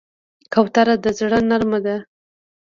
کوتره د زړه نرمه ده.